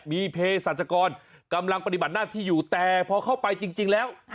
มีเพศรัชกรกำลังปฏิบัติหน้าที่อยู่แต่พอเข้าไปจริงแล้ว